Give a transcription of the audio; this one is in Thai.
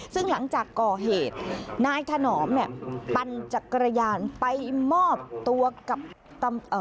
ซึ่งหลังจากก่อเหตุนายถนอมเนี่ยปั่นจักรยานไปมอบตัวกับเอ่อ